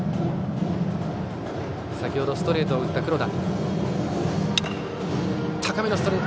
先程ストレートを打った黒田。